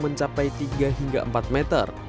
mencapai tiga hingga empat meter